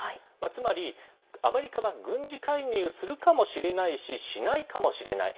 つまり、アメリカは軍事介入するかもしれないししないかもしれない。